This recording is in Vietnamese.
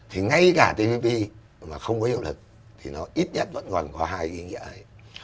thì ngay cả tpp mà không có hiệu lực thì nó ít nhất vẫn còn có hai cái nghĩa đấy